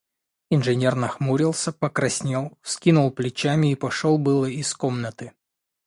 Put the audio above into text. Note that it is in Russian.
Инженер нахмурился, покраснел, вскинул плечами и пошел было из комнаты.